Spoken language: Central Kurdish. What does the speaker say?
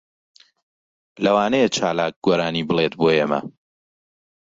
لەوانەیە چالاک گۆرانی بڵێت بۆ ئێمە.